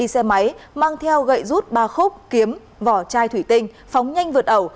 hai xe máy mang theo gậy rút ba khúc kiếm vỏ chai thủy tinh phóng nhanh vượt ẩu